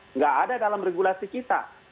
nggak ada dalam regulasi kita